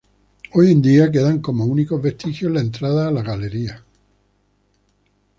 Hoy en día quedan como únicos vestigios la entrada la galería.